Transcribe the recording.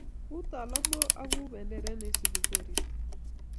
ku talamwok,u benderet neisupi koristo